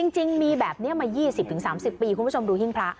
จริงมีแบบนี้มา๒๐๓๐ปีคุณผู้ชมดูหิ้งพระ